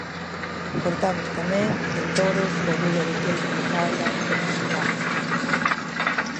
Cortamos tamén en toros o rulo de queixo de cabra e reservámolos.